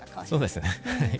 そうですね。